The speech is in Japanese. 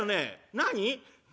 何？」。